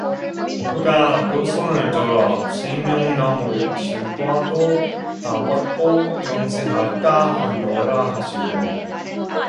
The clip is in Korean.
그가 그 손을 들어 생명나무 실과도 따먹고 영생할까 하노라 하시고